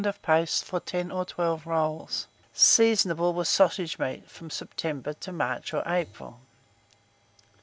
of paste for 10 or 12 rolls. Seasonable, with sausage meat, from September to March or April.